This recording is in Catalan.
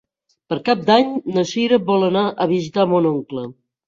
Per Cap d'Any na Cira vol anar a visitar mon oncle.